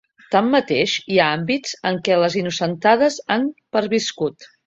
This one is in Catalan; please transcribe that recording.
Tanmateix, hi ha àmbits en què les innocentades han perviscut.